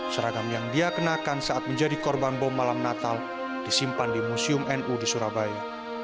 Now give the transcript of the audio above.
seragam yang dia kenakan saat menjadi korban bom malam natal disimpan di museum nu di surabaya